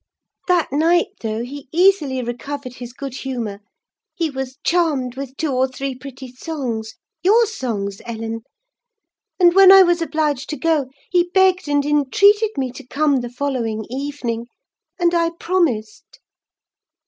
That night, though, he easily recovered his good humour: he was charmed with two or three pretty songs—your songs, Ellen; and when I was obliged to go, he begged and entreated me to come the following evening; and I promised.